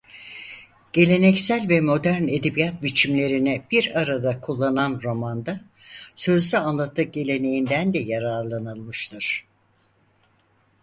Geleneksel ve modern edebiyat biçimlerini bir arada kullanan romanda sözlü anlatı geleneğinden de yararlanılmıştır.